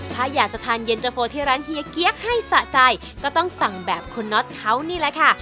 ถ้าอยากจะทานเย็นเตอร์โฟที่ร้านเฮียเกี๊ยกให้สะใจก็ต้องสั่งแบบคุณน็อตเขานี่แหละค่ะ